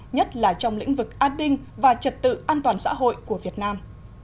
nhất là trong lĩnh vực an ninh và trật tự an toàn xã hội của việt nam